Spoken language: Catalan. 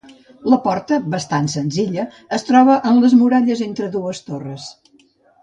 La porta, bastant senzilla, es troba en les muralles entre dues torres.